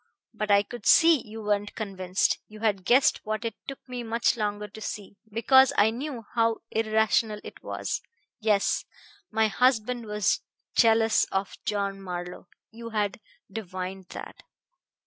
But I could see you weren't convinced. You had guessed what it took me much longer to see, because I knew how irrational it was. Yes; my husband was jealous of John Marlowe; you had divined that.